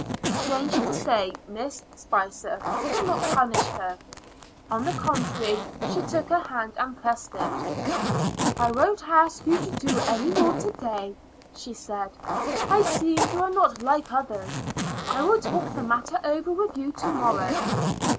Strange to say, Miss Spicer did not punish her. On the contrary, she took her hand and pressed it. "I won't ask you to do any more to day," she said. "I see you are not like others. I will talk the matter over with you to morrow."